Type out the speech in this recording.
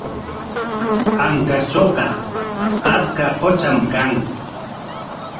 Ancashtrawqa achka qutram kan.